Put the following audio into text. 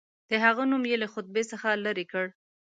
د هغه نوم یې له خطبې څخه لیري کړ.